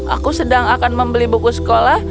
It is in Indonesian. aku sedang akan membeli buku sekolah